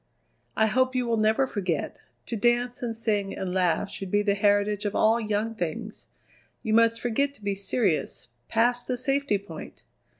"I hope you will never forget. To dance and sing and laugh should be the heritage of all young things. You must forget to be serious, past the safety point!